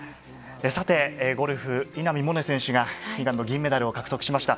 ゴルフ、稲見萌寧選手が悲願の銀メダルを獲得しました。